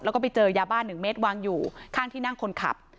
แล้วก็ไปเจอยาบ้าน๑เมตรวางอยู่ข้างที่นั่งคนขับ